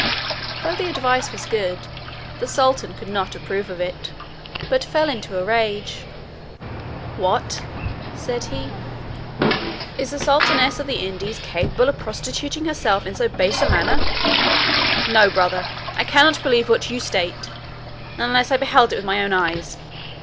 Though the advice was good, the sultan could not approve of it, but fell into a rage. "What!" said he, "is the sultaness of the Indies capable of prostituting herself in so base a manner! No, brother, I cannot believe what you state unless I beheld it with my own eyes.